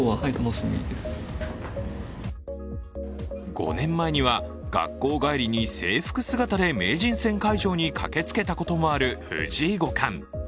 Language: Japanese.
５年前には学校帰りに制服姿で名人戦会場に駆けつけたこともある藤井五冠。